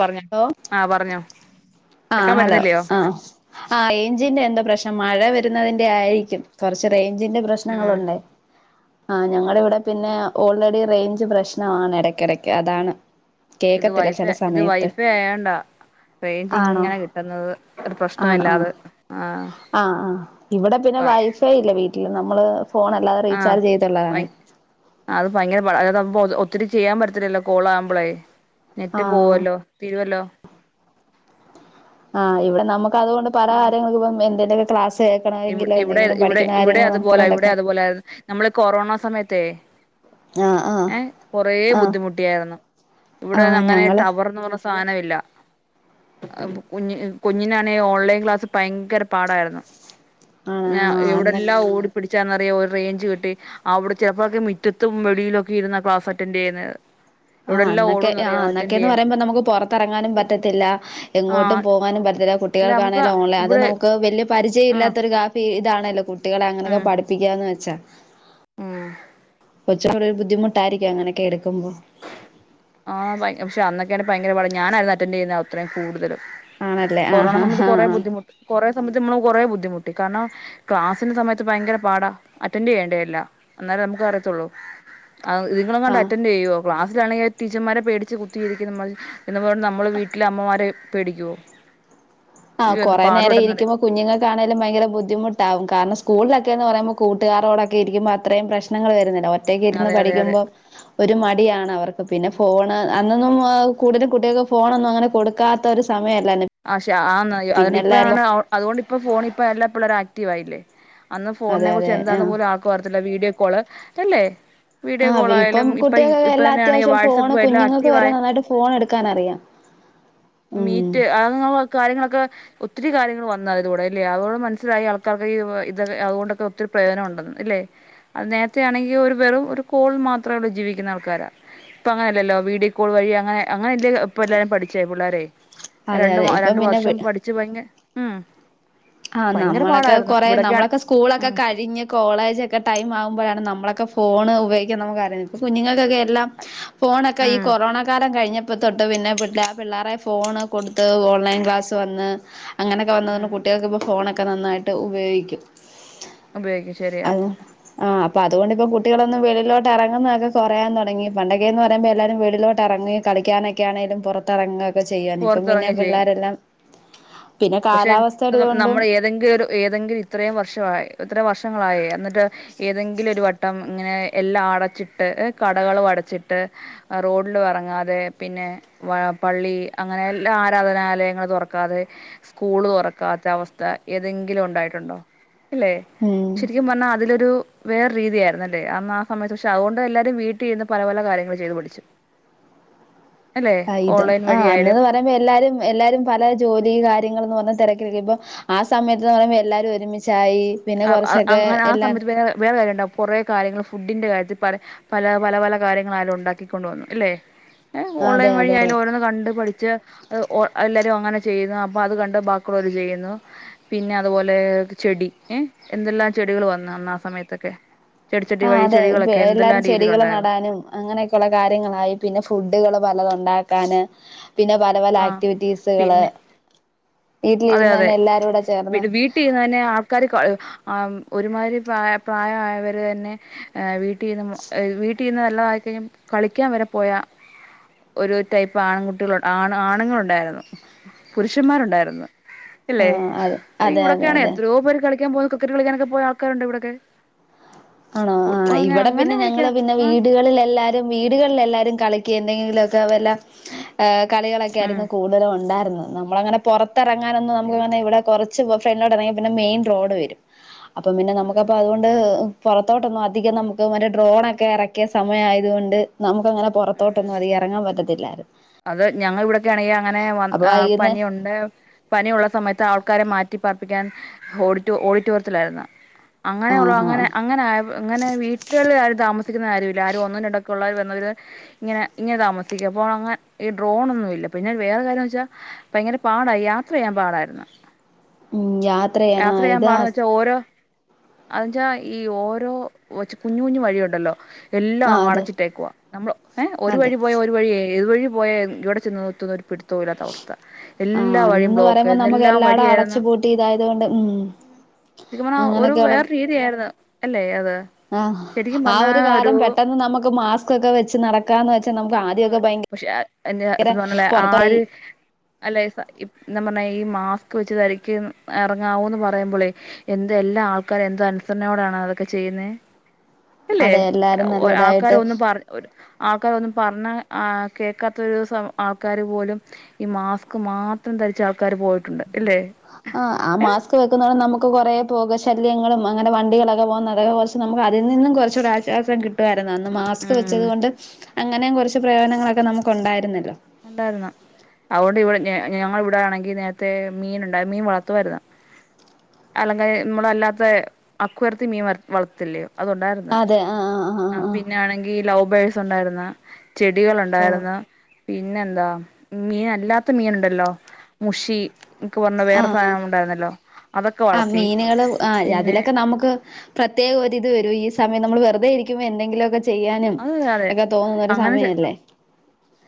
പറഞ്ഞോ ഹലോ ആഹ് പറഞ്ഞോ ആ.. കേക്കാൻ ഹലോ പറ്റുന്നില്ലയോ ആഹ ആ റെഞ്ചിന്റെ എന്തോ പ്രശ്ന പക്ഷെ മഴ വരുന്നതിന്റെ ആയിരിക്കും കുറച്ച് റേഞ്ചിന്റെ ഉം പ്രശ്നങ്ങളുണ്ട് ആഹ് ഞങ്ങളുടെ ഇവിടെ പിന്നെ ഓൾറെഡി റേഞ്ച് പ്രശ്നമാണ് ഇടക്കിടക്ക് അതാണ് കേക്കത്തില്ല ചില സമയത്ത് വേണ്ട റേഞ്ച് ആണോ ഇങ്ങനെ കിട്ടുന്നത് ഒരു ആണോ പ്രശ്നല്ലാതെ ആഹ് ആഹ! ആഹ് ആഹ് ഇവിടെ പിന്നെ വൈഫൈ ഇല്ല വീട്ടില് നമ്മള് ഫോൺ അല്ലാതെ റീചാർജ് ആഹ ചെയ്തുള്ളതാണ് അത് ഭയങ്കര [unintelligible] ഒത്തിരി ചെയ്യാൻ പറ്റത്തില്ലല്ലോ കോള ആകുമ്പോളേ നെറ്റ് ആഹ് പോവല്ലോ തീരുവല്ലോ ആഹ്! ഇവിടെ നമുക്കതുകൊണ്ട് പല കാര്യങ്ങ ഇ എന്തെക്കെ ക്ലാസ് ഇ കേൾക്കണമെങ്കിലോ ഇവിടെ എന്തെങ്കിലും ഇവിടെ പഠിക്കുന്ന ഇവിടെ കാര്യങ്ങൾ അതുപോലെ ഇവിടെ നോക്കണല്ലൊക്കെ അതുപോലെ നമ്മള് കൊറോണ സമയത്തേ- ആഹ് ആഹ് ഏ കൊറേ ആഹ് ബുദ്ധിമുട്ടിയായിരുന്നു ഇവിടെ ആഹ് അങ്ങനെ ഞങ്ങള് ടവർന്ന് പറ- സാനമില്ല കുഞ്ഞ കുഞ്ഞിനാണെ ഓൺലൈൻ ക്ലാസ്സിൽ ഭയങ്കര പാടായിരുന്നു ആഹ് അന്നൊക്കെ എവിടെല്ലാം ഓടി പിടിച്ചാന്ന റേഞ്ച് കിട്ടി അവിടെ ചിലപ്പോക്കെ മുറ്റത്തും വെളിയിലൊക്കെ ഇരുന്ന ക്ലാസ് അറ്റൻഡ് ചെയ്യുന്നത് എവിടെ ആഹ് അന്നൊക്കെ ആ അന്നൊക്കെന്ന് പറയുമ്പോ നമുക്ക് പൊറത്തറങ്ങാനും പറ്റത്തില്ല ആ എങ്ങോട്ടും പോകാനും പറ്റത്തില്ല കു അല്ല നമുക്ക് ട്ടികൾക്കാണേൽ ഓൺലെ അതും ഇവിടെ നമുക്ക് വല്ല്യ ആ പരിചയില്ലാത്തൊരു കാഫി ഇതാണല്ലോ കുട്ടികളെ അങ്ങനെയൊക്കെ പഠിപ്പിക്ക്യാന്ന് വെച്ചാ ആഹ് കൊച്ച്നൊരു ബുദ്ധിമുട്ടായിരിക്കും അങ്ങനെയൊക്കെ എടുക്കുമ്പോ ആഹ് പക്ഷ അന്നൊക്കെയാണ് ഭയങ്കരാപാട ഞാനായിര്‌ന്നു അറ്റന്റെയ്യുന്നെ അത്രയും കൂടുതല് ആണല്ലേ കൊറോണ ആഹ് ആഹ് സമയത്ത് കൊറെ ആഹ് ബുദ്ധിമുട്ട് കൊറെ നമ്മളെ സംബഡിച്ച് നമ്മളൊക്കെ കൊറേ ബുദ്ധിമുട്ടി കാരണം ക്ലാസിന്റെ സമയത്ത് ഭയങ്കര പാട അറ്റെന്റെയ്യേണ്ടേ എല്ലാം അന്നേ ക്ക് അറിയത്തൊള്ളൂ ഇതിങ്ങളെങ്ങാണ്ട് ആഹ് അറ്റെന്റെയ്യോ ക്ലാസ്സിലാണെങ്കി ടീച്ചർമാരെ പേടിച്ച് കുത്തിയിരിക്കും പറഞ്ഞ് എന്നും പർഞൊണ്ട് നമ്മള് വീട്ടിലമ്മമാരെ പേടിക്കൊ? ആഹ് കൊറെ നേരം ഇരിക്കുമ്പോ കുഞ്ഞുങ്ങക്കാണേലും ഭയങ്കര ബുദ്ധിമുട്ടാവും കാരണം സ്കൂൾലൊക്കെ ലൊക്കെന്ന് പറയുമ്പോ കൂട്ടുകാരോടൊക്കെ ഇരിക്ക്മ്പോ അത്രയും പ്രശ്ങ്ങൾ വരുന്നില്ല ഒ ഒറ്റക്കിരുന്ന് അതെ അതെ അതെ പഠിക്കുമ്പോ ഒരു മടിയാണവർക്ക് ഇപ്പപിന്നെ ഫോണ് അന്നൊന്നും കൂടുതലും കുട്ട്യാൾക്ക് ഫോണൊന്നും അങ്ങനെ കൊടുക്കാത്തൊരു സമയ ആക്ഷെ ആന്ന് ഇപ്പെയാണ് അതുകൊണ്ട്പ്പ ഫോണിപ്പെല്ലാ പിള്ളേരും ആക്റ്റീവായില്ലേ? അന്ന് അതെ ഫോണിനെ അതെ കുറിച്ച് എന്താന്ന് ആഹ് പോലും ആൾക്കും അറിയത്തില്ല വീഡിയോ കോള് അല്ലേ വീഡിയോ ആഹ് കോൾ അതെ ഇപ്പം ആയാലും ഇപ്പൊ കുട്ടികൾക്കൊക്കെ ഇപ്പൊ എല്ലാം തന്നെയാണെങ്കിൽ അത്യാവശ്യം ഫോണ് വാട്സആപ്പ് എല്ലാം കുഞ്ഞുങ്ങക്ക് വരെ ആക്റ്റീവായി നന്നായിട്ട് ഫോണെടുക്കാനറിയാം ഉം ആവക കാര്യങ്ങളൊക്കെ ഒ ഒത്തിരി കാര്യങ്ങള് വന്ന് അതിലൂടെ ഇല്ലേ അതുകൊണ്ട് മനസ്സിലായി ആൾക്കാർകൊക്കെ ഇത ഇത് അത്കൊണ്ടൊക്കെ ഒത്തിരി പ്രയോജനം ഒണ്ടെന്ന് ഇല്ലെ? അത് നേരത്തെ ആണെങ്കി ഒരു വെറും ഒരു കോൾ മാത്രേടെ ജീവിക്കുന്ന ആൾക്കാരാ ഇപ്പങ്ങനല്ലല്ലോ വീഡിയോ കോൾ വഴി അങ്ങനെ അങ്ങനെ ഇപ്പ എല്ലാരും പഠിച്ചെ പിള്ളാരേ ആഹാ അതെ രണ്ട് അതെ ഇപ്പം രണ്ടു വർഷം പിന്നെ പഠിച്ചു പോയെങ്കെ ഉംഹ് ആഹ് നമ്മളൊക്കെ കൊറെ നമ്മളൊക്കെ സ്കൂളൊക്കെ ഉം കഴിഞ്ഞ് കോളേജക്കെ ടൈം ആവുമ്പഴാണ് നമ്മള ഒക്കെ ഫോണ് ഉപയോഗിക്കാൻ നമുക്കറിയിന്ന് ഇപ്പൊ കുഞ്ഞുങ്ങെക്കെക്കെ എല്ലാം ഫോണൊക്കെ ഈ ഉം കൊറോണ കാലം കഴിഞ്ഞ ഇപ്പ തൊട്ട് പിന്നെ പി പിള്ളേരെ ഫോൺ കൊടുത്ത് ഓൺലൈൻ ക്ലാസ് വന്ന് അങ്ങനെക്കെ വന്ന് വന്ന ഉം ഫോണൊക്കെ നന്നായിട്ട് ഉപയോഗിക്കും ഉപയോഗിക്കും ശെരിയാ അപ്പത്കൊണ്ടിപ്പം കുട്ടികളൊന്നും വെളിയിലോട്ടെറങ്ങുന്നൊക്കെ കൊറയാൻ തൊടങ്ങി പണ്ടൊക്കെയെന്ന് പറയുമ്പോ എല്ലാരും വെളിയിലോട്ടെറങ്ങി ക കളിക്കാനൊക്കെയാണേലും പൊറത്തിറെങ്ങെക്കെ ചെയ്യവാര്ന്ന് ഇപ്പം പിന്നെ പൊറത്തിറങ്ങി ചെയ്യും പിള്ളേരെല്ലാം പിന്നെ കാലാവസ്ഥ നമ്മള് ഏതെങ്കിലൊരു ഏതെങ്കിലു ഇത്രയും വർഷവായി ഇത്ര വർഷങ്ങളായി എന്നിട്ട് ഏതെങ്കിലും ഒരു വട്ടം ഇങ്ങനെ എല്ലാം അടച്ചിട്ട് കടകളും അടച്ച് ച്ചിട്ട് റോഡിലും എറങ്ങാതെ പിന്നെ പള്ളി അങ്ങനെയെല്ലാ ആരാധനാലയങ്ങളും തൊറക്കാതെ സ്കൂള് തൊറക്കാത്ത അവസ്ഥ ഏതെങ്കിലും ഉണ്ടായിട്ടുണ്ടോ? അല്ലെ ഉം ശെരിക്കും പറഞ്ഞാ അതിലൊരു വേറെ രീതിയായിരുന്നല്ലേ അന്ന് ആ സമയത്ത് പക്ഷെ അഹോണ്ട് എല്ലാരും വീട്ടിര്ന്ന് പല പല കാര്യങ്ങള് ചെയ്തു പഠിച്ചു [inaudible] ആഹ് ഇത് ഓൺലൈൻ ആഹ് അന്ന് വഴിയായാലും പറയുമ്പോ എല്ലാരും എല്ലാരും പല ജോലി കാര്യങ്ങൾന്ന് പർഞ്ഞ് തിരക്കിലക്ക ഇപ്പോ ആ സമയത്ത് പറയ്പോ എല്ലാരും ഒരുമിച്ചായി പിന്നെ ആഹ് അഹ് കുറച്ചൊക്കെ അങ്ങനെ ആ എല്ലാ സമയത്ത് വേറെ കാര്യണ്ടാവും കുറേ കാര്യങ്ങൾ ഫുഡിന്റെ കാര്യത്തി പറിംപല പല പല കാര്യങ്ങളായാലും ഉണ്ടാക്കിക്കൊണ്ട്‌വന്നു അല്ലെ? ഏഹ് അതെ ഓൺലൈൻ വഴി അതെ അതെ ആയാലും ഓരോന്ന് കണ്ട് പഠിച്ച് ഒഹ് ഏഹ് അങ്ങനെ ചെയ്യുന്നു അപ്പൊ അത് കണ്ട് ബാക്കുള്ളോര് ചെയ്യുന്നു പിന്നെ അതുപോലെ ചെടി ഏഹ് എന്തെല്ലാം ചെടികൾ വന്നു അന്നാ സമയത്തൊക്കെ? ചെടിച്ചട്ടി ആഹ് വഴി അതെ ചെടികളൊക്കെ എന്തെല്ലാം എല്ലാരും ചെടികള് രീതിയിലുണ്ടായിരുന്നു നടാനും അങ്ങനെയൊക്കൊള്ള കാര്യങ്ങളായി പിന്നെ ഫുഡുകള് പലതുണ്ടാക്കി ക്കാന് പിന്നെ പല പല ആ ആക്ടിവിറ്റീസുകള് പിന്നെ അതെ വീട്ടിലിരുന്ന് അതെ തന്നെ എല്ലാരൂടെ ചേർന്ന് വീട്ടിര്ന്ന്തന്നെ ആൾക്കാര് ആം ഒരുമാതിരി പ്രായ പ്രായായവര് തന്നെ വീട്ടിന്ന് ഇഹ് വീട്ടി ന്ന് നല്ലതായി കഴിഞ്ഞും കളിക്കാൻ വരെ പോയാ ഒരു ടൈപ്പ് ആൺകുട്ടികൾ ആ ആണുങ്ങൾ ഉണ്ടായിരുന്നു പുരുഷന്മാരുണ്ടായിരുന്നു ആ ഇല്ലെ അതെ അതെ അതെ ഇവിടെൊക്കെയാണ് അതെ എത്രയോ പേര് കളിക്കാൻ പോകുന്നത് ക്രിക്കറ്റ് കളിക്കനാനൊക്കെ പോയ ആൾക്കാരുണ്ട് ഇവിടൊക്കെ ആണോ ആ ഫുട്ബോൾ ഇവിടെ അങ്ങനെ പിന്നെ കളിക്കാ ഞങ്ങള് പിന്നെ ആ വീടുകളിൽ എല്ലാരും വീടുകളിലെല്ലാരും കളി എന്തെങ്കിലുമൊക്കെ വല്ല കളികളൊക്കെ ഉം ആയിരുന്നു കൂടുതലും ഉണ്ടായിരുന്നത് നമ്മളങ്ങനെ പുറ ഇറങ്ങാനൊന്ന നമുക്ക് ഇവിടൊക്കെ ഇവിടെ കുറച്ച് ഫ്രണ്ടോട്ട ഇങ്ങി പിന്നെ മെയിൻ റോഡ് വരും അപ്പൊ പിന്നെ ഉം നമുക്കപ്പ അതുകൊണ്ട് പുറത്തോട്ടൊന്നും അധികം നമുക്ക് മറ്റേ ഡ്രോണൊക്കെ ഇറക്കിയ സമയയതുകൊണ്ട് ഇപ്പ അങ്ങനെ ഉം പുറത്തോട്ടൊന്നും അതി ഇറങ്ങാൻ പറ്റത്തില്ലായിരുന്നു അത് ഞങ്ങ ഇവിടെ [unintelligible] അങ്ങനെ വ അപ്പൊ വൈകുന്നേ പനിയുണ്ട് പനിയ ഉുള്ള സമയത്ത് ആൾക്കാരെ മാറ്റി പർപ്പിക്കാൻ ഓടി ഓഡിറ്റോറിയത്തിലായിരുന്ന അങ്ങനെയ ഉള്ള ആഹാ അങ്ങനെ അങ്ങനെ അങ്ങനെ വീട്ടുകളിൽ ആു രാ താമസിക്കുന്ന കാര്യമില്ല ആരും ഒന്നിന ഇടക്കള്ള ഇങ്ങനെ ഇങ്ങനെ താമസിക്ക അപ്പോ അങ്ങെ ഈ ഡ്രോൺന്നുമില്ല പിന്നെ വേറെ കാര്യംന്ന് വെച്ചാ ഭയങ്കര പാടായി യാത്ര ചെയ്യാൻ പാടായിരുന്നു ഉം ചെയ്യാനാ യാത്ര ചെയ്യാൻ ഇതാ പാടന്ന് വെച്ചാ ഓരോ അന്ന്ച്ച ഈ ഓരോ [unintelligible] കുഞ്ഞു കുഞ്ഞു വഴിയ ഉണ്ടല്ലോ ആ എല്ലാം അ അതെ അടച്ചിട്ടേകുവ നമ്മ ഏ ഒരു അതെ വഴി പോയാ ഒരു വഴി യേതുതുവഴി പോയ എവിടെ ചെന്ന് നിർത്തൂന്ന് ഒരു [unintelligible] [unintelligible] അവസ്ഥ ആഹ് എല്ലാ വഴിയും അന്നന്ന് ബ്ലോക്ക് പറയുമ്പോ ആയിരുന്നു നമുക്ക് എല്ലാം എല്ലാടം അടച്ചു വഴിയായിരുന്ന് പൂട്ടി ഇതായത് കൊണ്ട് ഉം [unintelligible] ശരിക്കും പറഞ്ഞ ഒരു അങ്ങനെയൊക്കെയുള്ള വേറെ രീതിയായിരുന്നു അല്ലേ അത് ആഹ് ശരിക്കും ആ പറഞ്ഞാ ഒരു കാലം പെട്ടെന്ന് നമുക്ക് മാസ്ക്ക്കൊക്കെ വെച്ച് നടക്കാന്ന് വെച്ചാ [unintelligible] ആതെ ഭയങ്കര പക്ഷെ എ [unintelligible] പറഞ്ഞല്ലേ പൊറത്തോയി ആര് അല്ലെ [unintelligible] [unintelligible] ഇറങ്ങാവൂന്ന് പറയുമ്പോളേ എന്ത് എല്ലാ ആൾക്കാരും എന്ത് അനുസരണയോടാണ് അതൊക്കെ ചെയ്യുന്നെ അല്ലെ അതെ എല്ലാരും നല്ല ആൾക്കാര ഇതായിട്ട് ഒന്നും [unintelligible] ആൾക്കാര ഒന്നും കേൾക്കാത്തരു ആൾക്കാർ പോലും ഈ മാസ്ക് മാത്രം ധരിച്ച ആൾക്കാർ പോയിട്ടുണ്ട് ഇല്ലേ ആ ആ മാസ്ക് വെക്കുന്നാണ് നമുക്ക് [unintelligible] കുറെേ പോക ശല്യങ്ങളും അങ്ങനെ വണ്ടികളൊക്കെ പോകുന്നതൊക്ക കുറച്ച് നമുക്ക് അതിൽന്നും കുറച്ചൊരു ആശ്വാസം കിട്ടാൻ അന്ന് മാസ്ക് ഉം വെച്ചത് കൊണ്ട് അങ്ങനെയ്ം കുറച്ച് പ്രയോജനങ്ങളൊക്കെ നമുക്ക് ഉണ്ടായിരുന്നല്ലോ ഉണ്ടായിരുന്നു അതുകൊണ്ട് ഇവിടെ ഞ ഞങ്ങ ഇവിടെ ആണെങ്കി നേരത്തെ മീൻ ഉണ്ടായി മീൻ വളർത്തുമായിരുന്നു അല്ലെങ്ക നമ്മളല്ലാത്ത അക്ക്വാറിയത്തി മീൻ വ വളർത്തില്ലേ അത്ണ്ടായിരുന്ന്, അതെ ആഹ് ആഹ് ആ ആഹ് ആഹ് പിന്നെ ആണെങ്കി ലവ് ബേഴ്സ് ഉണ്ടായിരുന്ന് ചെടികൾ ഓഹ് ഉണ്ടായിരുന്നു പിന്നെ എന്താ, മീൻ അല്ലാത്ത മീൻ ഉണ്ടല്ലോ മുഷി എനിക്ക് പറഞ്ഞ വേറെ സാധനം ഉണ്ടായിരുന്നല്ലോ അതൊക്കെ ആ് വളർത്തി മീനുകൾ ആ പിന്നെ അതിലൊക്കെ നമുക്ക് പ്രത്യേകം ഒരിത് വരും ഈ സമയം [unintelligible] നമ്മൾ വെറുതെ ഇരിക്കുമ്പോ എന്തെങ്കിലുമൊക്കെ ചെയ്യാനും അത് ഒക്കെ തോന്നുന്ന ഒരു സമയല്ലേ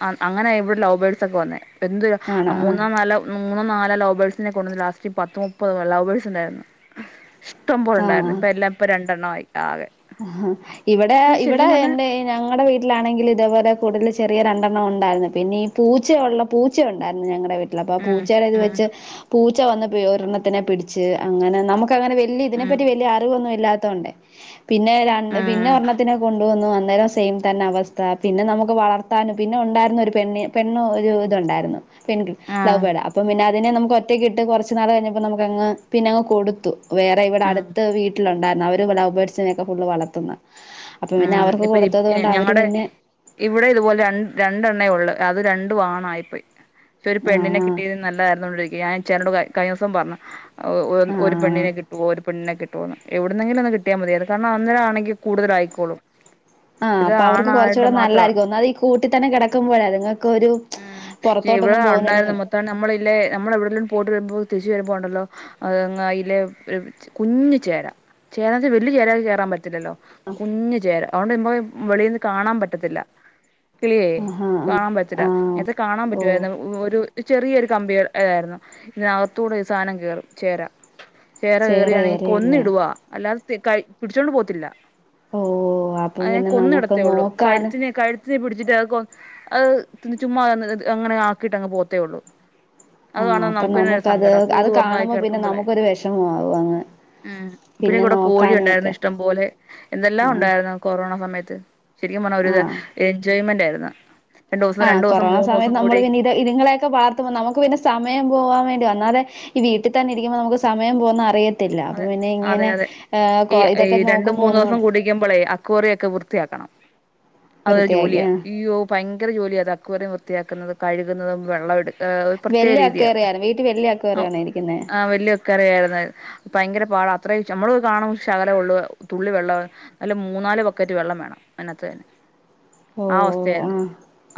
ആ അങ്ങനെയ ഇവിടെ ലോബേൾസ് ഒക്കെ വന്നേ എന്ത് ആണോ ആ മൂന്നോ നാലോ മൂന്നോ നാലോ ലൗവ്ബേർഡ്‌സ് [unintelligible] ലാസ്റ്റ് പത്ത്, മുപ്പത് ലവ്ബേഴ് ഉണ്ടായിരുന്നു ഇഷ്ടം പോല ആ ഉണ്ടായിരുന്നു ഇപ്പ എല്ലാം ഇപ്പ രണ്ടണ്ണയി ആ ഇവിടെ ഇവിടെ ശരിക്കും പറഞ്ഞാ എന്തായി ഞങ്ങളടെ വീട്ടിലാണെങ്കിൽ ഇതേപോലെ കൂടുതൽ ചെറിയ രണ്ട് [unintelligible] ഉണ്ടായിരുന്നു പിന്നെ ഈ പൂച്ചയ ഉള്ള പൂച്ച ഉണ്ടായിരുന്നു ഞങ്ങളുടെ വീട്ടില് അപ്പ ഉം പൂച്ചയുടെ ഇത് ഉം വെച്ച് [unintelligible] പൂച്ച വന്ന് ഒരെണത്തിനെ പിടിച്ച് അങ്ങനെ നമുക്ക്ങ്ങനെ വലിയ ഉം ഇതിനെപ്പറ്റി വലിയ അറിവൊന്നും ഇല്ലാത്ത [unintelligible] പിന്നെ [unintelligible] പിന്നെ ഉം ഒർണ്ണത്തിന കൊണ്ടുവന്നു [unintelligible] സെയിം തന്നെ അവസ്ഥ പിന്നെ നമുക്ക് വളർത്താനും പിന്നെ ഉണ്ടായിരുന്നു ഒരു പെണ്ണ്, പെണ്ണ് ഒരു ഇതുണ്ടായിരുന്നു ആഹ് [unintelligible] അപ്പം [unintelligible] അതിനെ നമക്ക് ഒറ്റയ്ക്ക് ഇട്ട് കുറച്ച്നാൾ കഴഞ്ഞപ്പോ നമുക്ക്ങ്ങ് പിനങ്ങ് കൊടുത്തു വേറെ ഇവിടെ ഉം അടുത്ത് വീട്ടിലുണ്ടായിരരുന്നു അവര് ലൗബേട്സിനെക്കേ ഫുള് വളർത്തുന്ന അപ്പൊ പിന്നെ ആഹ് അവർക്ക് ഇപ്പ കൊടുത്തത് കൊണ്ട് അവര് ഞങ്ങടെ പിന്നെ ഇവിടെ ഇതുപോലെ രണ്ട് രണ്ടെണെയുളള് അത് രണ്ടു ആണായിപോയി [unintelligible] ഒരു പെണ്ണിനെ ആഹ് കിട്ടിയിർന്ന് [unintelligible] [unintelligible] കഴിഞ്ഞോസം പറഞ് ഒരു ആഹ് പെണ്ണിനെ കിട്ടുവോ ഒരു പെണ്ണിനെ [unintelligible] [unintelligible] എവിടുന്നെങ്കിലും ഒന്ന് കിട്ടിയാൽ മതിയാണ് കാരണം അന്നേരാ ആണെങ്കി കൂടുതലാ യിക്കോളും. ആഹ് അപ്പൊ അവർക്ക് കുറച്ചൊടെ നല്ലായിരിക്കും ഒന്നാത് ഈ കൂട്ടിത്തന്നെ കിടക്കുമ്പോഴേ അത്ങ്ങക്ക് ഒരു [unintelligible] ഇവിടെ പുറത്തോട്ടൊന്നും പോകുന്നില്ല ഉണ്ടായിരുന്ന മൊത്തം നമ്മളല്ലെ നമ്മള എവിടെല്ലും പോട്ട് വരുമ്പോ [unintelligible] [unintelligible] വരുമ്പോണ്ടല്ലോ അതങ്ങ് അയിലെ കുഞ്ഞു ചേരാ ചേർത് വെള്ളി ചേരാ കേയറാൻ പറ്റില്ലല്ലോ. കുഞ്ഞ് ചേരാ അതോണ്ട് [unintelligible] വെളിൽന്ന് കാണാൻ പറ്റത്തില്ല. കിളിയേ ആഹ് ആഹ് കാണാൻ പറ്റ്ല്ല ആഹ് ആഹ് നേത്തെ കാണാൻ ഓ പറ്റുവരുന്നു ഒരു ചെറിയൊരു കമ്പി ഏതായിരുന്നു പിന്നെഅത്തുകൂടെ ഇ സാനം കേറും ചേരാ ചേര ചേറ കേയറിയാണെങ്കിൽ ഏറെയല്ലേ കൊന്നിടുവാ അല്ലാതെ തി കയ് പിടിച്ചോണ്ട് പോത്തില്ല. ഓ അപ്പം അതിനെ പിന്നെ നമുക്ക് കൊന്നിടത്തേള്ളു നോക്കാന് കഴുത്തിനെ കഴുത്തിനെ പിടിച്ചിട്ട് [unintelligible] കൊ അഹ് ചുമ്മാ അങ്ങനെ ആക്കിട്ട് അങ്ങ് പോത്തേള്ളൂ. അത് ആഹ് വേണ അപ്പൊ നമുക്ക്ന്നെ ഒരു നമുക്കത് സങ്കടം അത് കൂട്ർന്നയിട്ട് കാണുമ്പോ പിന്നെ കിടക്കുമ്പോളേ നമുക്കൊരു വിഷമാവും അങ്ങ് അഹ് പിന്നെ കൂടെ നോക്കാനും കോഴിണ്ടായിരുന്നു ഒക്കെ ഇഷ്ടംപോലെ എന്തെല്ലാം ആഹ് ഉണ്ടായിരുന്നു കൊറോണ സമയത്ത് ശരിക്കും പറഞ്ഞാ ഒരു ആഹ് എൻജോയ്മെന്റ് ആയിരുന്നു രണ്ടു ദിവസം ആഹ് രണ്ടു ദിവസം കൊറണ മൂന്ന് സമയ ദിവസം നമ്മൾ കൂടി പിനെ ഇത് ഇതിങ്ങളൊക്കെ വളർത്തുമ്പോ നമുക്ക് പിന്നെ സമയം പോവാൻ വേണ് ഒന്നാതെ ഈ വീട്ടിതന്നെ ഇരിക്കുമ്പോ നമക്ക് സമയം പോകുന്ന അറിയ ത്തില്ല അപ്പൊ അതെ പിന്നെ അതെ ഇങ്ങനെ അതെ ഏ ഈ കൊ ഈ ഇതൊക്കെ രണ്ടും നോക്കുമ്പോ മൂന്ന് ദിവസം ഒന്നൂടെ കൂടിക്കുമ്പോളേ അക്വേറിയൊക്കെ വൃത്തിയാക്കണം അതൊരു വൃത്തിയാക്കി ജോലിയാ ആഹ് യ്യോ ഭയങ്കര ജോലിയാ അക്കോറിയ വൃത്തിയാക്കുന്നത് കഴുകുന്നതും വെള്ളട്ട് ഏ ഒരു പ്രത്യേക വല്യ രീതിയ അക്വേറിയാണ് വീട്ടിൽ വല്യ അക്വേറിയാണോ ഇരിക്കുന്നേ ആ വല്യൊക്കെറിയായിരുന്നു ഭയങ്കര പാടാ അത്രയും ച്ച അമ്മള് കാണുമ്പ ശകലെള്ളൂ തുള്ളി വെള്ളവേ അതില് മൂന്നാല് ബക്കറ്റ് വെള്ളം വേണം. അനത്ത് തന്നെ ആ അവസ്ഥയായിരുന്നു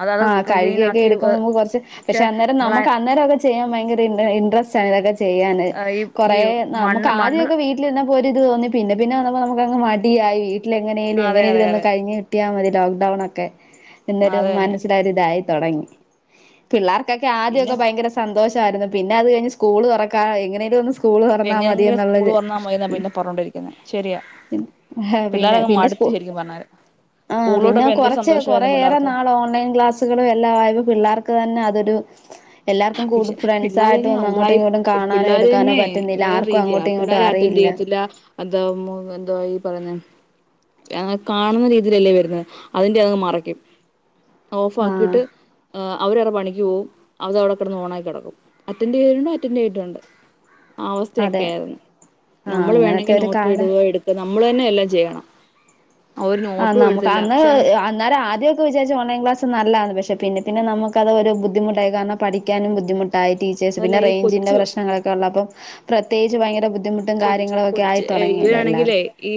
അത് അത് ആഹ് ക്ലീൻ കഴുകിയൊക്കെ ആക്കി എടുക്കുമ്പോ ഏ നമുക്ക് കുറച്ച് പക്ഷെ അന്നേരം നമുക്ക് അന്നേരം ഒക്കെച് ചെയാൻ ഭയങ്ക ഇട്ര ഇട്രസ്റ്റാ അതൊക്കെ ചെയ്യാന് ഈ ഈ കൊറേ നമുക്ക് മണ്ണ് മണ്ണ് ആദ്യോക്കെ വീട്ടിൽര്ന്ന പോ പ്‌ ഇത് തോന്നി പിന്നെപിന്നെ വന്നപോ നമുക്ക് അങ്ങ് മടിയായി വീട്ല് എങ്ങനേലു അതെ അതെ എങ്ങാനേലതൊന്ന് അതെ കഴിഞ്ഞ് കിട്ടിയാ മതി ലോക്ക്ഡൗൺൊക്കെ ഇന്നൊരു അത് തന്നെ മനസ്സിലൊരു ഇതായി തുടങ്ങി പിള്ള എനിക്ക് പിന്നെ ആദ്യക്കെ ഭയങ്കര സന്തോഷായിരുന്നു പിന്നെ അത് കഴിഞ്ഞ് സ്കൂൾതുറക്കാറായി എങ്ങനെലും ഒന്ന് സ്കൂൾ എങ്ങനെങ്കിലും സ്കൂൾ തുറന്നാ മതിന്നാ പിന്നെ പറഞ്ഞോണ്ടിരിക്കുന്നേ ശരിയാ. പിന്നെ പിള്ളേരങ്ങ് പിന്നെ മടുത്ത് സ്കൂ ശരിക്കും പറഞ്ഞല് സ്കൂളിലോട്ടപ്പ എന്തൊരു സന്തോഷ കൊറേയേറെ നാൾ ഓൺലൈൻ ക്ലാസ്സുകള് എല്ലാംആയപ്പ പിള്ളേർക്ക് തന്നെ അതൊരു എല്ലാർക്കും കൂടി പക്ഷെ ഫ്രണ്ടസായിട്ട് പിള്ളേരെന്നെ ഒന്നും അങ്ങോട്ടും ഉടായി ഇങ്ങോട്ടും കാണാനോ പിള്ളേർ എടുക്കാനോ പറ്റുന്നില്ല ആർക്കും അങ്ങോട്ടും ഇങ്ങോട്ടും അറിയില് ത്തില്ല അതാവുമ്പോ എന്താ ഈ പറയുന്നേ കാണുന്ന രീതിയിലല്ലേ വരുന്നേ അതിന്റെ അങ്ങ് മറക്കും ഓഫ് ആഹ് ആക്കിയിട്ട് അവര് അവറേ പണിക്ക് പോവും അതവിടെ കെടന്ന് ഓണായി കിടക്കും അറ്റൻറ് ചെയ്ട്ടുണ്ട് അറ്റൻറ് ചെയ്ട്ടുണ്ട്. അവസ്ഥയൊക്കെ അതെ ആയിരുന്നു ആഹ് നമ്മൾ അങ്ങനത്തെ വേണെങ്കിൽ ഒരു കാല നോട്ട്ഴുതുക എടുക്കുക അമ്മള് ന്നെ എല്ലാം ചെയ്യണം അവര് ആ നോട്ടും നമുക്ക് എഴുതില്ല അന്ന് പക്ഷെ അന്നേരം ആദ്യക്കെ വിചാരിച്ചു ഓൺലൈൻ ക്ലാസ് നല്ലതാണ് പക്ഷെ പിന്നെ പിന്നെ നമുക്കത് ഒരു ബുദ്ധിമുട്ടായി കാരണം പഠിക്കാനും ബുദ്ധിമുട്ട് ട്ടായ് ടീച്ചേഴസ് അതല്ല പിന്നെ ഈ റേഞ്ചിന്റെ കൊച്ചു പ്രശ്നങ്ങളൊക്കെ ഉള്ളപ്പം പ്രത്യകിച്ച് ഭയങ്കര ബു കൊച്ച് കൊച്ച ഇവരാണെങ്കിലേ എല്ലാർക്കും ഈ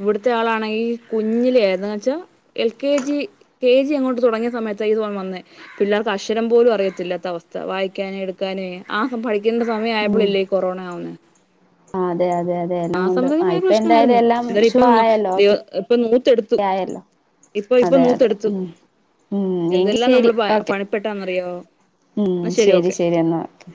ഇവിടത്തെ ആളാണെങ്കി കുഞ്ഞിലേ ആയിര്ന്ന് എന്ന്‌വെച്ചാൽ L K G K G അങ്ങോട്ട് തുടങ്ങിയ സമയത്താ ഈ സ്വഭാവം വന്നേ പിള്ളേർക്ക് അക്ഷരം പോലും അറിയത്തില്ലാത്ത അവസ്ഥ വായിക്കാനും എടുക്കാനും ആം പഠിക്ക ക്ക്ണ്ട സമയ ഉം ആയപ്പോളല്ലേ ഈ [unintelligible] കൊറോണ വന്നേ. ആ അതെ അതെ അതെ ആ എല്ലാം കൊണ്ടും സമ്മ്യത് ഭയ ഇപ്പൊ എന്തായാലും പ്രശ്നവായിരുന്നു എല്ലാം എന്താലും ഇപ്പൊ ഷുവ ആയല്ലോ ഓക്കെ ഇപ്പൊ നൂറ്റെടുത്തു ആയല്ലോ ഇപ്പൊ ഇപ്പൊ അതെ അതെ നൂത്തടുത്തു ഉം ഉം എങ്കി എന്തെല്ലാം ശരി നമ്മള് പെ ഓക്കെ പണിപ്പെട്ടാന്നറിയാമോ ഉം ശരി ശരി എന്നാ ഓക്കെ